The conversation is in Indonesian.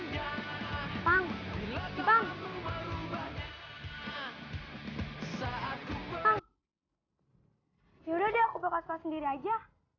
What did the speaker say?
ya udah deh aku belokas pelas sendiri aja